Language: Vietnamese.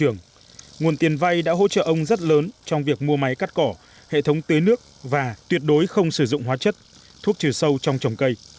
nguồn tiền vay đã hỗ trợ ông rất lớn trong việc mua máy cắt cỏ hệ thống tưới nước và tuyệt đối không sử dụng hóa chất thuốc trừ sâu trong trồng cây